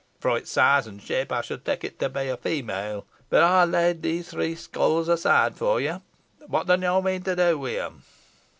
Fro' its size an shape ey should tak it to be a female. Ey ha' laid these three skulls aside fo' ye. Whot dun yo mean to do wi' 'em?"